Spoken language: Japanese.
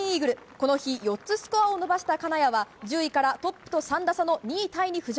この日、４つスコアを伸ばした金谷は１０位からトップと３打差の２位タイに浮上。